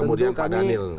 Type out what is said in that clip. kemudian pak daniel